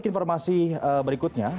balik informasi berikutnya